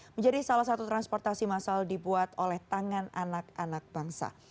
menjadi salah satu transportasi masal dibuat oleh tangan anak anak bangsa